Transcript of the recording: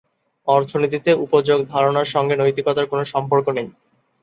অর্থনীতিতে উপযোগ ধারণার সঙ্গে নৈতিকতার কোনো সম্পর্ক নেই।